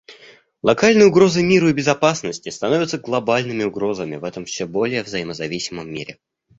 Локальные угрозы миру и безопасности становятся глобальными угрозами в этом все более взаимозависимом мире.